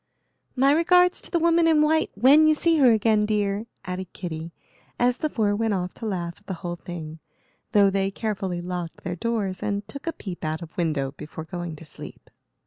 "My regards to the Woman in White when you see her again, dear," added Kitty, as the four went off to laugh at the whole thing, though they carefully locked their doors and took a peep out of window before going to sleep.